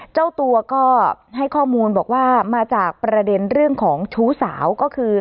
เจ้าตัวก็ให้ข้อมูลบอกว่ามาจากประเด็นเรื่องของชู้สาวก็คือ